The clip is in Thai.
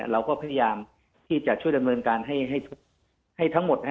เราก็พยายามที่จะช่วยดำเนินการให้ทั้งหมด